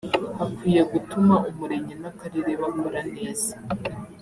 hakwiye gutuma umurenge n’akarere bakora neza